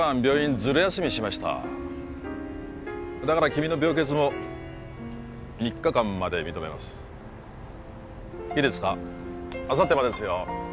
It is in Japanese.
ズル休みしましただから君の病欠も３日間まで認めますいいですかあさってまでですよ